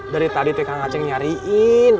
dari tadi kak acing nyariin